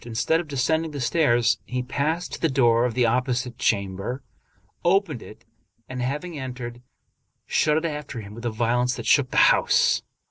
Instead of descending the stairs, he passed to the door of the opposite chamber, opened it, and, having entered, shut it after him with a vio lence that shook the house.